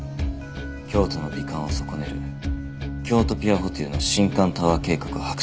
京都の美観を損ねるキョウトピアホテルの新館タワー計画を白紙に戻せ。